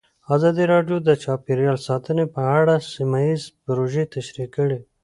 ازادي راډیو د چاپیریال ساتنه په اړه سیمه ییزې پروژې تشریح کړې.